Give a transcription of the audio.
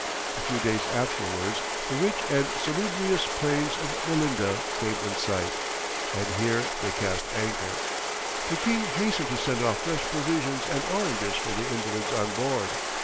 A few days afterwards the rich and salubrious plains of Melinda came in sight, and here they cast anchor. The king hastened to send off fresh provisions and oranges for the invalids on board.